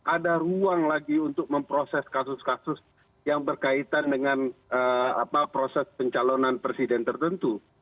ada ruang lagi untuk memproses kasus kasus yang berkaitan dengan proses pencalonan presiden tertentu